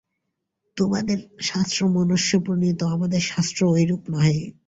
তোমাদের শাস্ত্র মনুষ্যপ্রণীত, আমাদের শাস্ত্র ঐরূপ নহে।